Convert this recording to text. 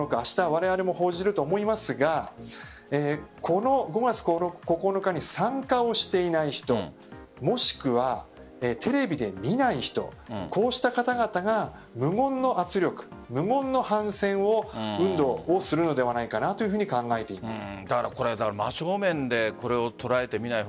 われわれも報じると思いますがこの５月９日に参加をしていない人もしくはテレビで見ない人こうした方々が無言の圧力、無言の反戦運動をするのではないかというふうに考えています。